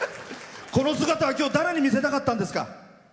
この姿は誰に見せたかったんですか？